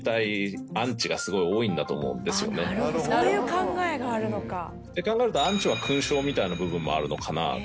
なるほどそういう考えがあるのか。って考えるとアンチは勲章みたいな部分もあるのかなと。